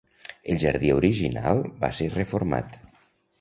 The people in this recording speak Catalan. El jardí original va ser reformat.